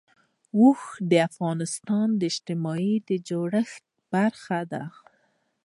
اوښ د افغانستان د اجتماعي جوړښت برخه ده.